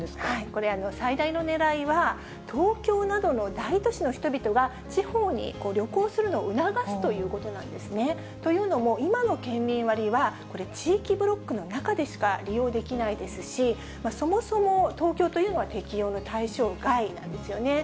これ、最大のねらいは、東京などの大都市の人々が地方に旅行するのを促すということなんですね。というのも、今の県民割は、これ、地域ブロックの中でしか利用できないですし、そもそも東京というのは適用の対象外なんですよね。